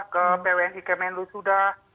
ke pwn ikemenlu sudah